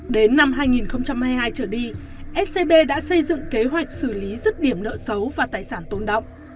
đến năm hai nghìn hai mươi hai trở đi scb đã xây dựng kế hoạch xử lý rứt điểm nợ xấu và tài sản tôn động